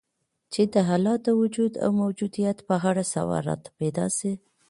چي د الله د وجود او موجودیت په اړه سوال راته پیدا سي